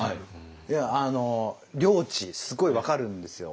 いやあの「良知」すごい分かるんですよ。